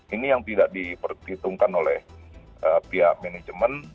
ini yang tidak diperhitungkan oleh pihak manajemen